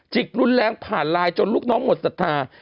รุนแรงผ่านไลน์จนลูกน้องหมดศรัทธา